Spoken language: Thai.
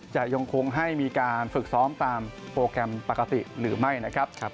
จะยังคงให้มีการฝึกซ้อมตามโปรแกรมปกติหรือไม่นะครับ